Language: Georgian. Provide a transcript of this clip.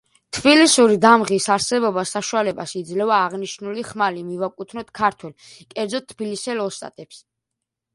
თბილისური დამღის არსებობა საშუალებას იძლევა აღნიშნული ხმალი მივაკუთვნოთ ქართველ, კერძოდ თბილისელ ოსტატებს.